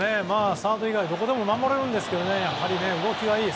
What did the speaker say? サード以外でもどこでも守れるんですけどやはり動きがいい。